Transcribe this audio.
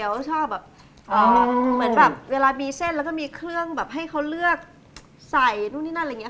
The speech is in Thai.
เขาชอบแบบเหมือนแบบเวลามีเส้นแล้วก็มีเครื่องแบบให้เขาเลือกใส่นู่นนี่นั่นอะไรอย่างนี้